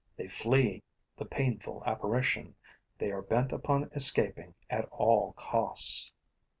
They flee the painful apparition; they are bent upon escaping at all costs.